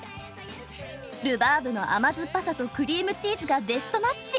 ルバーブの甘酸っぱさとクリームチーズがベストマッチ。